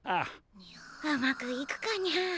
うまくいくかにゃ。